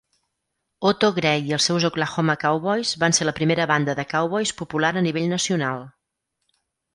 Otto Gray i els seus Oklahoma Cowboys van ser la primera banda de cowboys popular a nivell nacional.